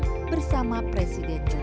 dan menunggu wajah anak kecil yang kehujanan